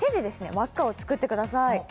輪っかを作ってください